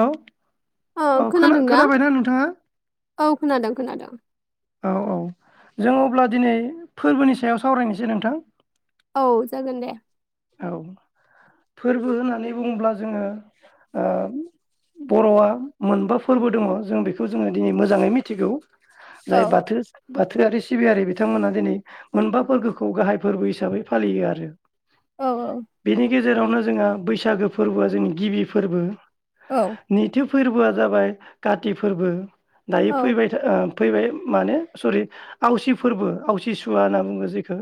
Hello औ खोनादों ना खोना-खोनाबायना नोंथाङा। औ खोनादों [inaudible] औ औ जों अब्ला दिनै फोरबोनि सायाव सावरायनोसै नोंथां। औ जागोन दे। औ फोरबो होननानै बुङोब्ला जोङो ओ बर'आ मोनबा फोरबो दङ' जों बेखौ जोङो दिनै मोजाङै मिथिगौ। औ जाय बाथो बाथौआरि सिबियारि बिथांमोना दिनै मोनबा फोरबोखौ गाहाय फोरबो हिसाबै फालियो आरो। औ बेनि गेजेरजो जेरावनो जोंहा बैसागो फोरबोआ जोंनि गिबि फोरबो औ नैथि फोर फोरबोआ जाबाय काति फोरबो दायो औ फैबाय था ओ फैबाय माने सरि आवसि फोरबो आवसि सुवा होनना बुङो जेखौ।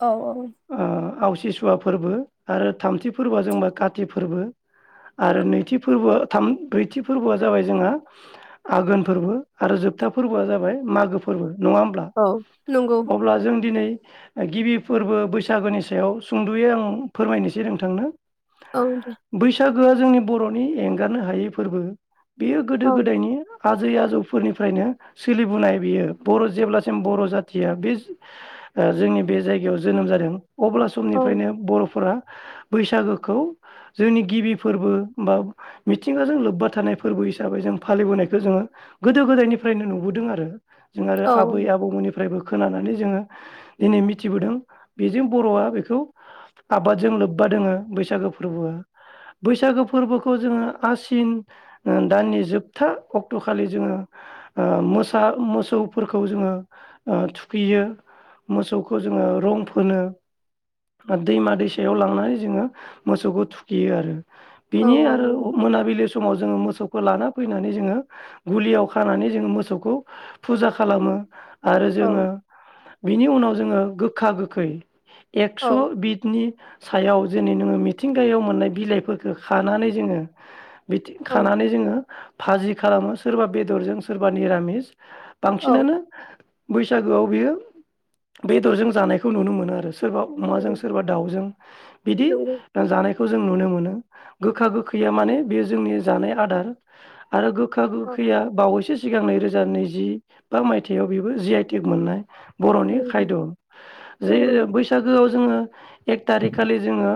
औ आवसि सुवा फोरबो आरो थामथि फोरबोआ जोंबा काति फोरबो आरो औ नैथि फोरबोआ थाम ब्रैथि फोरबोआ जाबाय जोंहा आघोन फोरबो आरो जोबथा फोरबोआ जाबाय मागो फोरबो नङा होमब्ला औ नंगौ अब्ला जों दिनै गिबि फोरबो बैसागोनि सायाव सुंदयै आं फोरमायनोसै नोंथांनो। औ दे गो जोंनि बर'नि एंगारनो हायै फोरबो बेयो गोदो औ गोदायनि आजै-आजौफोरनिफ्रायनो सोलिबोनाय बियो बर' जेब्लासिम बर' जाथिया बे ओ जोंनि बे जायगायाव जोनोम जादों अब्ला औ निफ्रायनो बर'फोरा बैसागोखौ जोंनि गिबि फोरबो बा मिथिंगाजों लोब्बा थानाय फोरबो हिसाबै जों फालिबोनायखौ जोङो गोदो गोदायनिफ्रायनो नुबोदों आरो। जों आरो औ आबै आबौमोननि फ्रायबो खोनानानै जोङो दिनै मिथिबोदों बेजों बरआ बेखौ आबादजों लोब्बा दोङो बैसागो फोरबोआ। बैसागो फोरबोखौ जोङो आसिन ओ दाननि जोबथा अक्टखालि जोङो ओ मोसा मोसौफोरखौ जोङो ओ थुखैयो मोसौखौ जोङो रं फोनो। आरो दैमा दैसायाव लांनानै जोङो मोसौखौ थुखियो आरो। औ बिनि आरो अ नंगौ मोनाबिलि समाव जोङो मोसौख खौ लाना फैनानै जोङो गलियाव खानानै जोङो मोसौखौ फुजा खालामो। आरो औ जोङो बिनि उनाव जोङो गोखा गोखै स औ बिदनि सायाव जेनै नोङो मिथिंगायाव मोननाय बिलाइफोरखो खानानै जोङो। बिदि औ खानानै जोङो फाजि खालामो सोरबा बेदरजों सोरबा निरामिस। बांसिनानो बैसागोआव बेयो बेदरजों जानायखौ नुनो मोनो आरो सोरबा अमाजों नंगौ सोरबा दाउजों बिदि नंगौ दा जानाय खौजों नुनो मोनो गोखा गोखैया माने बेयो जोंनि जानाय आदार आरो गोखा औ गोखैया बावैसो सिगां नैरोजा नैजि बा मायथाइयाव बेबो जि आइ टिक मोननाय। बरनि नंगौ खायद जे नंगौ बैस खौ जोङो एक टारिख खालि जोङो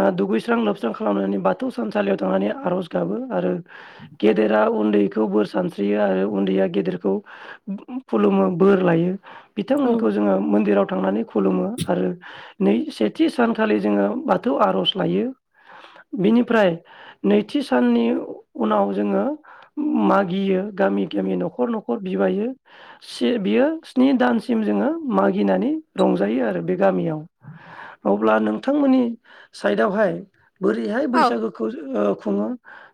ओ दुगैस्रां लोबस्रां खालामनानै बाथौ सानसालियाव थांनानै आरज गाबो आरो गेदेरा उन्दैखौ बोर सानस्रियो आरो उन्दैया गेदेरखौ ओम खुलुमो बोर लायो। औ बिथांमोनखौ जोङो मोन्दिरावद थांनानै खुलुमो। आरो नै सेथि सानखालि जोङो बाथौ आरज लायो बेनिफ्राय नैथि साननि उनाव जोङो मागियो गामि गामि नखर नखर बिबायो। से बियो स्नि दानसिम जोङो मागिनानै रंजायो आरो बे गामियाव अब्ला नोंथांमोननि साइडआवहाय बोरैहाय औ बैसागोखौ ओ खुङो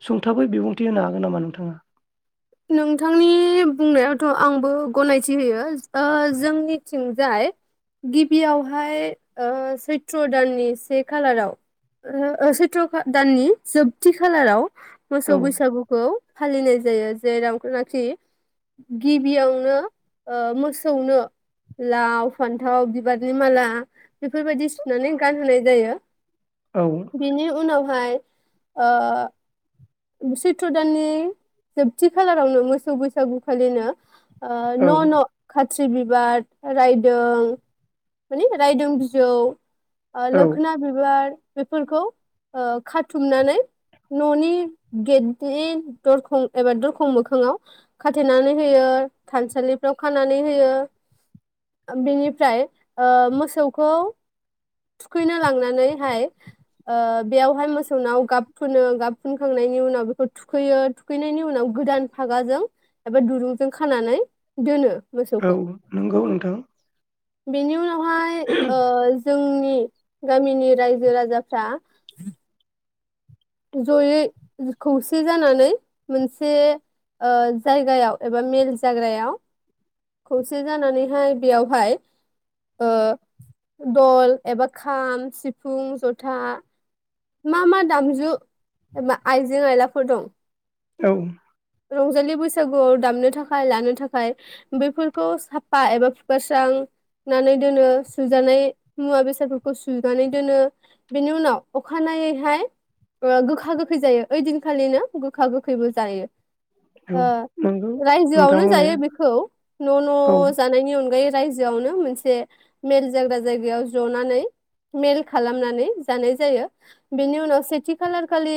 सुंथाबै बिबुंथि होनो हागोन नामा नोंथाङा? नोंथांनि बुंनायावथ आंबो गनायथि होयो ओ जोंनि थिंजाय गिबियावहाय ओ सैथ्र दाननि से खालाराव ओ सैथ्र दाननि जोबथि खालाराव औ मोसौ बैसागुखौ फालिनायज जायोज जेराव नाखि गिबियावनो ओ मोसौनो लाव फान्थाव बिबारनि माला बेफोरबायदि सु नानै गानहोनाय जायो औ बिनि उनाव हाय ओ सैथ्र दाननि जोबथि खालारावनो मोसौ बैसागु खालिनो ओ औ न न खाथ खाथ्रि बिबार रायदों माने रायदों बिजौ ओ औ लोखना बिबार। बेफोरखौ ओ खाथुमनानै न'नि गेटनि दरखं एबा दरखं मोखाङाव खाथेनानै होयो थानसालिफ्राव खानानै होयो ओ बेनिफ्राय ओ मोसौखौ थुखैनो लांनानैहाय ओ बेयावहाय मोसौनाव गाब फुनो गाब फुनखां खांनायनि उनाव बेखौ थुखैयो थुखैनायनि उनाव गोदान फागाजों एबा दुरुंजों खानानै दोनो। मोसौखौ औ नंगौ नोंथां। बेनि उना उनावहाय ओ जोंनि गामिनि रायजो राजाफ्रा जयै खौसे जानानै मोनसे ओ जायगायाव एबा मेल जाग्रायाव खौसे जानानैहाय बेयावहाय ओ दल एबा खाम सिफुं जथा मा मा दामजु एबा आइजें आइलाफोर दं। औ। रंजालि बैसागुआव दामनो थाखाय लानो थाखाय बैफोरखौ साफा एबा फुखारस्रांनानै दोनो सुजानाय मुवा बेसादफोरखौ सुनानै दोनो बेनि उनाव अखानायैहाय गोखा गोखै जायो ओइदिनखालिनो गोखा गोखैबो जायो। ओ औ नंगौ नोंथां रायजोआवनो बुंनाया जायो बेखौ न' न‌' औ जानायनि अनगायै रायजोआवनो मोनसे मेल जाग्रा जायगायाव जनानै मेल खालामनानै जानाय जायो बेनि उनाव सेथि खालार खालि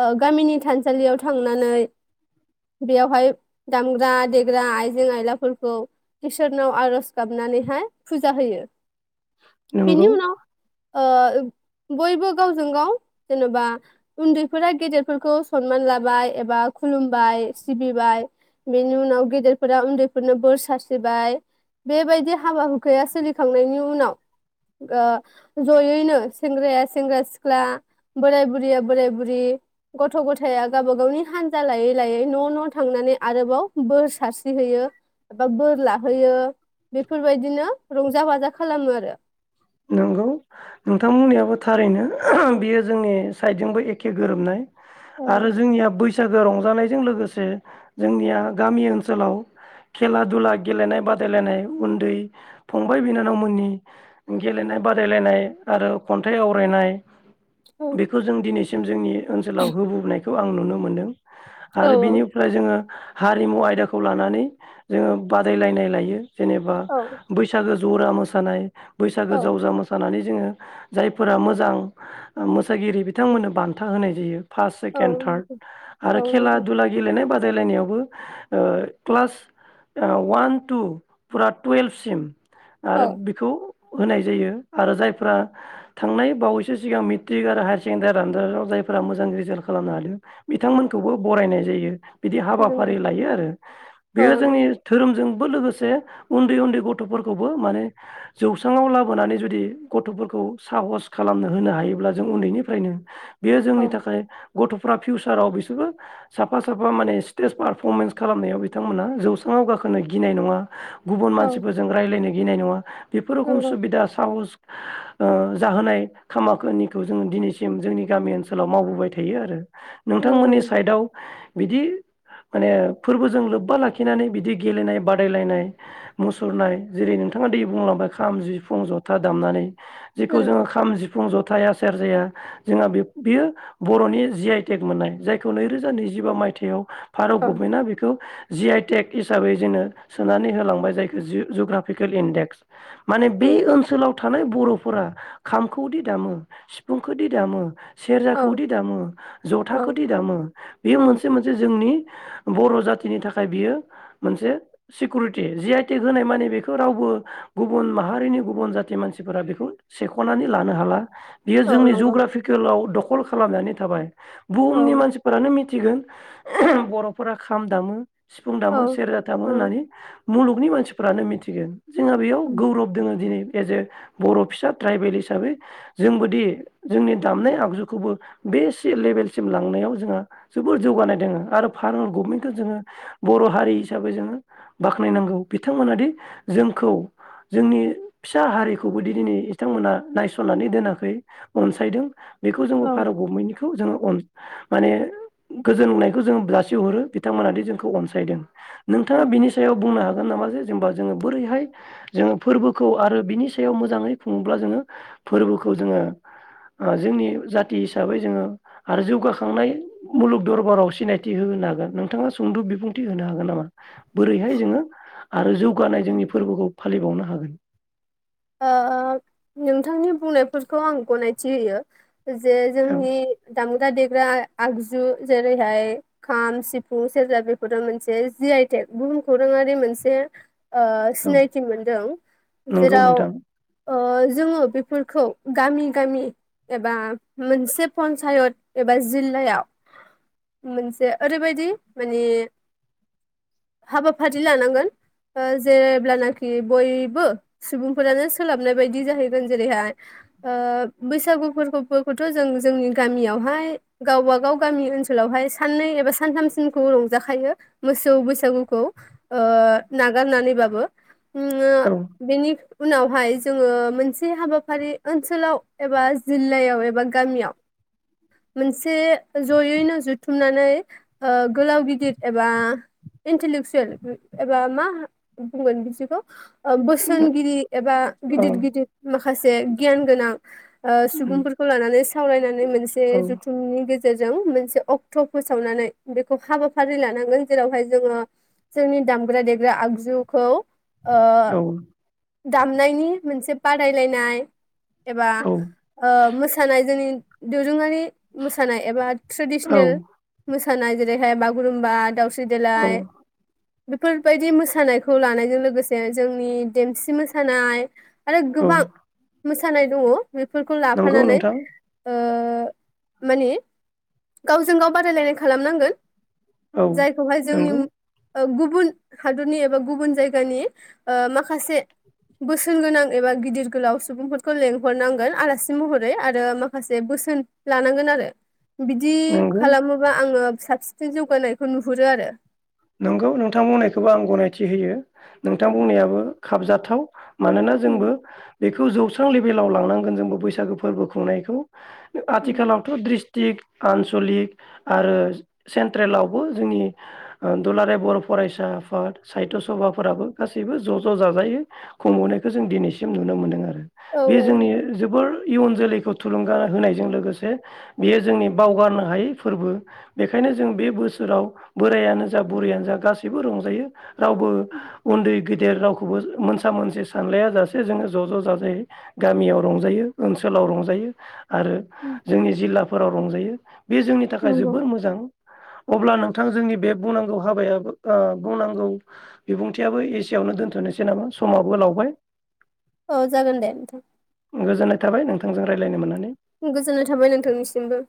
ओ गामिनि थानसालियाव थांनानै बेयावहाय दामग्रा देग्रा आइजें आयलाफोरखौ इसोरनाव आरज गाबनानैहाय फुजा होयो। बिनि नंगौ उनाव ओ बयबो गावजों गाव जेनबा उन्दैफोरा गेदेरफोरखौ सनमान लाबाय एबा खुलुमबाय सिबिबाय बेनि उनाव गेदेरफोरा उन्दैफोरनो बोर सारस्रिबाय बेबायदि हाबा हुखाया सोलिखांनायनि उनाव ओ जयैनो सेंग्राया सेंग्रा सिख्ला बोराय बुरिया बोराय बुरि गथ गथाया गावबा गावनि हान [unintelligible] लायै लायै न' न' थांनानै आरोबाव बोर सारस्रिहैयो बा बोर लाहोयो बेफोरबायदिनो रंजा बाजा खालामो आरो नंगौ नोंथांमोननियाबो थारैनो बेयो जोंनि साइडजोंबो एखे गोरोबनाय। औ आरो जोंनिया बैसो बैसागो रंजानायजों लोगोसे जोंनिया गामि ओनसोलाव खेला दुला गेलेनाय बादायलायनाय उन्दै फंबाय बिनानावमोननि गेलेनाय बादायलायनाय आरो खन्थाइ आवरायनाय। बेखौ जों दिनैसिम जोंनि ओनसोलाव होबोनाय खौ आं नुनो मोन्दों। औ आरो बिनिफ्राय जोङो हारिमु आयदाखौ लानानै जोङो बादायलायनाय लायो। जेनेबा औ औ। बैसागो जरा मोसानायनाय। औ बैसागो जावजा मोसानानै जोङो जायफोरा मोजां मोसागिरि बिथांमोननो बा फार्स्ट औ सेकेड थार्ड ओरो खेला नंगौ दुला गेलेनाय बा बादायलायनायावबो ओ क्लास ओ वान टु फुरा टुवेल्भसिम औ आरो बेखौ होनाय जायो आरो जायफ्रा थांनाय बावैसो सिगां मेट्रिक आरो हायार सेकेणडारि रजादाव जायफोरा मोजां रिजाल्ट खालामनो हादों बिथांमोनखौबो बरायनाय जायो। बिदि हाबाफारि नंगौ लायो आरो औ बेयो जोंनि नंगौ धोरोमजों बो लोगोसे उन्दै उन्दै गथ फोरखौबो माने जौस्रांङाव लाबोनानै जुदि गथ'फोरखौ साहस खालामनो होनो हायोब्ला जों उन्दै निफ्रायनो बेयो औ नंगौ औ जोंनि थाखाय गथ'फ्रा फिउसाराव बिसोरबो साफा साफा माने स्टेज पारफरमेन्स खालामनायाव बिथांमोना जौस्राङाव गाखोनो गिनाय नङा। गुबुन औ मानसिफोरजों रायज्लायनो गिनाय नङा। बेफोर हलसु नंगौ बिदा साहस ओ जाहोनाय खामाखो निखौ जोङो दिनैसिम जोंनि गामि ओनसोलाव मावबोबाय थायो आरो। नंगौ नोंथांमोननि साइदआव बिदि माने फोरबोजों लोब्बा लाखिनानै बिदि गेलेनाय बादायलायनाय मुसुरनाय जेरै नोंथाङा दै बुंलां ओ खाम, जिफुं, जथा दामनानै जेखौ उम जोङो खाम, जिफुं फुं जथाया सेर जाया जोंहा बे बियो बर'नि जि आइटेक मोननाय जायखौ नैरोजा नैजिबा मायथाइयाव भारत औ गभमेन्टआ बेखौ जिआइ टेक हिसाबै जोङो सोनानै होलांबाय जायखौ जु जुग्राफिकेल इन्डेक्स माने बे औ ओनसोलाव थानाय बर फोरा खाम खौदि दामो सिफुं खोदि दामो सेरजा औ खौदि दामो जथा खोदि औ दामो बेयो औ मोनसे मोनसे जोंनि बर' जाति नि थाखाय बियो मोनसे सिक रिटि जि आइ टेक होनाय माने बेखौ रावबो गुबुन माहारिनि गुबुन जाथि मानसिफोरा बेखौ सेख नानै लानो हाला। बियो औ जोंनि नंगौ जग्राफिकेलाव दख कल खालामनानै थाबाय। औ बुहुमनि मानसिफोरानो मि थिगोन बर'फोरा खाम दामो सिफुं औ दामो सेरजा थामोन औ होननानै मुलुगनि मानसिफोरानो मिथिगोन जोंहा बे उम गौरब दोङो दिनै एजे बर'फिसा ट्राइबेल हिसाबै जोंबोदि जोंनि दामनाय आगजुखौबो बेसे लेभेलसिम लांनायाव जोंहा जोबोर जौगानाय दोङो आरो फार्मार गभमेन्टखौ जोङो बर हारि हिसाबै जोङो बाख्नायनांगौ बिथांमोना दि जोंखौ जोंनि फिसा हारिखौबोदि दिनै बिथांमोना नायसननानै दोनाखै अनसायदों बेखौ जोंबो औ भारत गभमेन्टनिखौ जोंङो अ माने गोजोननायखौ जों जासिहरो बिथांमोनाद जोंखौ अनसायदों नोंथाङा नंगौ बेनि सायाव बुंनो हागोन नामा जे जेमबा जोङो बोरैहाय जोङो फोरबोखौ आरो बिनि सायाव मोजाङै खुङोब्ला जोङो फोरबोखौ जोङो ओ जोंनि जाथि हिसाबै जोङो आरो जौगाखांनाय मुलुग दरबाराव सिनायथि होनो हागोन नोंथाङा सुंद बिबुंथि होनो हागोन नामा? बोरै हाय जोङो आरो जौगानाय जोंनि फोरबोखौ फालिबावनो हागोन। ओ नोंथांनि बुंनायफोरखौ आं गनायथि होयो। जे औ जोंनि दाम दा देग्रा आगजु जेरैहाय खाम सिफुं सेरजा बेफोरो मोनसे जि आइ टेक बुहुम खौराङारि मोनसे ओ औ सिनायथि मोनदों नंगौ जेराव नोंथां ओ जोङो बेफोरखौ गामि गामि एबा मोनसे पन्सायत एबा जिल्लायाव मोनसे ओरैबायदि माने हाबाफारि लानांगोन ओ जेरेब्लानोखि बयबो सुबुं फोरानो सोलाबनाय बायदि जाहैगोन जेरैहाय ओ बैसागु फोरबोफोरखौथ जों जोंनि गामियावहाय गावबा गाव गामि ओनसोलावहाय साननै एबा सानथामसिमखौ रंजाखायो मोसौ बैसागुखौ ओ नागारनानैबा बो। उम औ बेनि उनावहाय जोङो मोनसे हाबाफारि ओनसोलाव एबा जिल्लायाव एबा गामियाव मोनसे जयैनो जुथुमनानै ओ गोलाव गिदिर एबा इन्टेलेक्सुयेल एबा मा बुंगोन बिदिखौ बोसोन गिदि एबा औ गिदिर गिदिर मा माखासे गियान गोनां ओ सुबुंफोरखौ लानानै सावरायनानै मोनसे औ जुथुमनि गेजेर गेजेरजों मोनसे अक्ट फोसावनानै बेखौ हाबाफारि लानांगोन जेरावहाय जोङो जोंनि दामग्रा देग्रा आगजुखौ ओ दामनायनि मोनसे बादायलायनाय एबा ओ मोसानाय जोंनि दोरोङारि मोसानाय एबा औ ट्रेदिसनेल मोसा नाय जेरैहाय बागुरुम्बा दाउ औ सिदेलाय बेफोरबायदि मोसानायखौ लानायजों लोगोसे जोंनि देमसि मो सानाय आरो औ गोबां मोसा सानाय दङ। बेफोरखौ नंगौ लाफानानै नोंथां ओ माने गावजों गाव बादायलायनाय खालामनांगोन। औ जायखौहाय जोंनि नंगौ ओ गुबुन हादरनि एबा गुबुन जायगानि ओ माखासे बोसोन गोनां एबा गिदिर गोलाव सुबुंफोरखौ लेंहरनांगोन आलासि महरै आरो माखासे बोसोन लानांगोन आरो। बिदि नंगौ खालामोबा आङो साबसिन साबसिन जौगानायखौ नुहुरो आरो। नोंगौ नोंथां बुंनायखौबो आं गनायथि होयो नोंथां बुंनायाबो खाबजाथाव मानोना जोंबो बेखौ जौस्रां लेभेलाव लांनांगोन जोंबो बैसागो फोरबो खुंनायखौ आथिखालावथ द्रि ट्रिक आनसलिक आरो सेन्ट्रेलावबो जोंनि दुलाराय बर फरायसा आफाद साहित्य सभाफोराबो गासैबो ज ज जाजायै खुंबोनायखौ जों दिनैसिम नुनो मोनदों आरो औ बे जोंनि जोबोर इयुन जोलैखौ थुलुंगा होनायजों लोगोसे बेयो जोंनि बावगारनो हायै फोरबो बेखायनो जों बे बोसोराव बोरायानो जा बुरैयानो जा गासैबो रंजायो रावबो उन्दै गेदेर रावखौबो मोनसा मोनसि सानलाया जासे जोङो ज ज जाजाय गामियाव रंजायो ओनसोलाव रंजायो। आरो जोंनि जिल्ला फोराव रंजायो। बे जोंनि थाखाय नंगौ जोबोर मोजां। अब्ला नोंथां जोंनि बे बुंनांगौ हाबायाबो ओ बुंनांगौ बिबुंथियाबो एसे आवनो दोनथनोसै नामा समाबो लावबाय औ जागोन दे नोंथां गोजोननाय थाबाय नोंथांजों रायज्लायनो मोननानै गोजोननाय थाबाय नोंथांनिसिमबो।